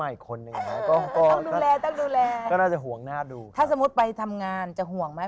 มาอีกคนก็น่าจะห่วงหน้าดูถ้าสมมุติไปทำงานจะห่วงไหม